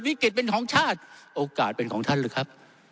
วิกฤตเป็นของชาติโอกาสเป็นของท่านหรือครับ